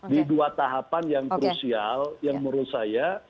di dua tahapan yang krusial yang menurut saya